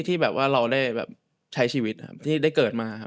ที่แบบว่าเราได้ใช้ชีวิตนะครับที่ได้เกิดมา